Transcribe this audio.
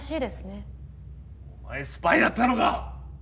お前スパイだったのか！？